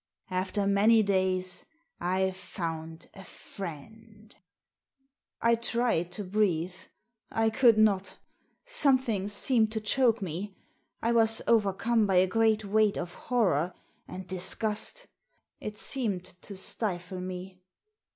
After many days I've found a friend." I tried to breathe. I could not Something seemed to choke me. I was overcome by a great weight of horror and disgust It seemed to stifle me.